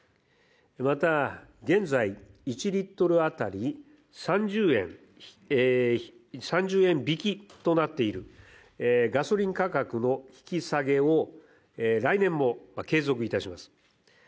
また、現在１リットル当たり３０円引きとなっているガソリン価格の引き下げを来年も継続いたします。